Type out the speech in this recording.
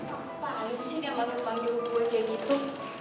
apaan sih dia mampir panggil gue kayak gitu